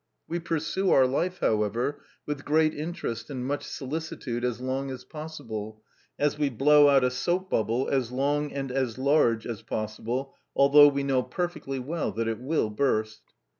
We pursue our life, however, with great interest and much solicitude as long as possible, as we blow out a soap bubble as long and as large as possible, although we know perfectly well that it will burst.